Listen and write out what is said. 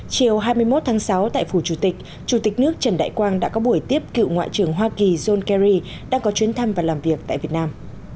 chiều hai mươi một tháng sáu tại phủ chủ tịch chủ tịch nước trần đại quang đã có buổi tiếp cựu ngoại trưởng hoa kỳ john kerry đang có chuyến thăm và làm việc tại việt nam